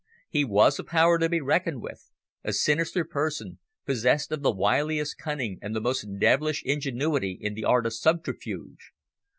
He was a power to be reckoned with a sinister person, possessed of the wiliest cunning and the most devilish ingenuity in the art of subterfuge.